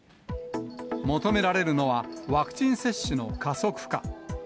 求められるのは、ワクチン接種の加速化。